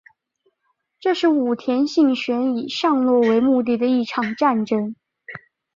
这是武田信玄以上洛为目的的一场战争。